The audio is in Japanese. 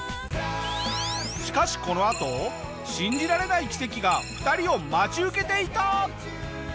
しかしこのあと信じられない奇跡が２人を待ち受けていた！